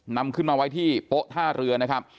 นำขึ้นมาไว้ที่โป๊ะท่าเรือนะครับ